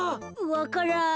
「わからん」。